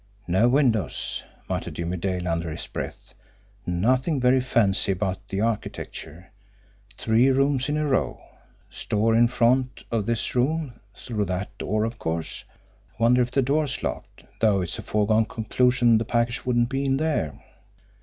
"No windows!" muttered Jimmie Dale under his breath. "Nothing very fancy about the architecture! Three rooms in a row! Store in front of this room through that door of course. Wonder if the door's locked, though it's a foregone conclusion the package wouldn't be in there."